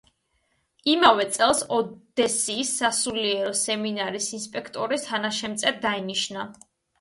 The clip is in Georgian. იმავე წელს ოდესის სასულიერო სემინარიის ინსპექტორის თანაშემწედ დაინიშნა.